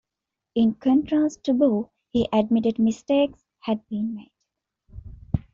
In contrast to Bo, he admitted mistakes had been made.